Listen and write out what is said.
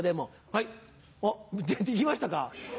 はいおっできましたか？